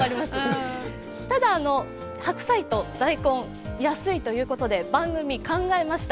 ただ、白菜と大根、安いということで番組考えました。